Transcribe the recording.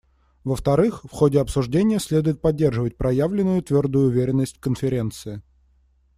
Во-вторых, в ходе обсуждения следует поддерживать проявленную твердую уверенность в Конференции.